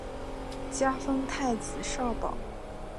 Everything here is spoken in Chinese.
加封太子少保。